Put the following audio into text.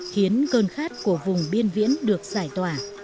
khiến cơn khát của vùng biên viễn được giải tỏa